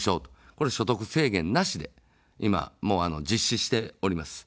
これは所得制限なしで、今も実施しております。